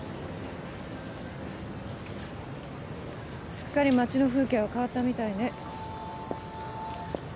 すっかり町の風景は変わったみたいね